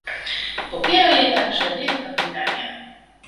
Popiera je także Wielka Brytania